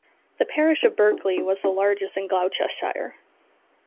The parish of Berkeley was the largest in Gloucestershire.